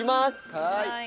はい。